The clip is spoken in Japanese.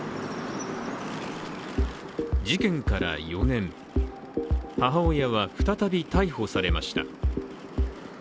事件から４年、母親は再び逮捕されました。